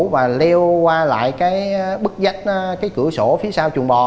và leo qua lại cái bức dách cái cửa sổ phía sau chuồng bò